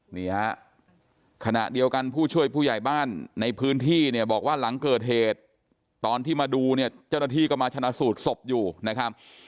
ดูเนี่ยเจ้าหน้าที่ก็มาชนะสูตรศพอยู่นะครับ